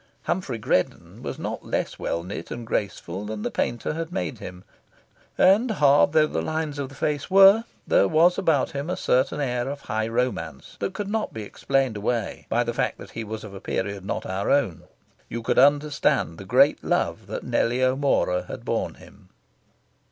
Humphrey Greddon was not less well knit and graceful than the painter had made him, and, hard though the lines of the face were, there was about him a certain air of high romance that could not be explained away by the fact that he was of a period not our own. You could understand the great love that Nellie O'Mora had borne him.